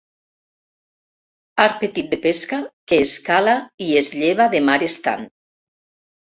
Art petit de pesca que es cala i es lleva de mar estant.